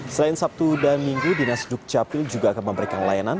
selain sabtu dan minggu dinas dukcapil juga akan memberikan layanan